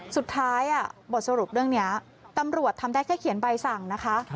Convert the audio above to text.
สุดท้ายบทสรุปเรื่องนี้ตำรวจทำได้แค่เขียนใบสั่งนะคะ